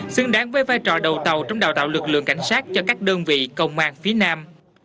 xứng đáng với vai trò đầu tàu trong đào tạo lực lượng cảnh sát cho các đơn vị công an phía nam